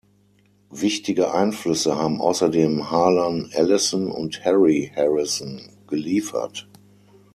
Wichtige Einflüsse haben außerdem Harlan Ellison und Harry Harrison geliefert.